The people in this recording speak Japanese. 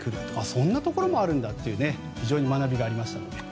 そんなところもあるんだっていう非常に学びがありました。